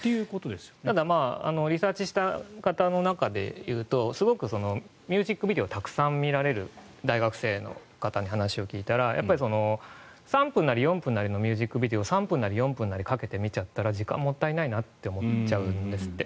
ただリサーチした人の中で言うとすごくミュージックビデオをたくさん見られる大学生の方に話を聞いたら３分あり４分なりのミュージックビデオを３分、４分をかけて見ちゃったら時間がもったいないと思っちゃうんですって。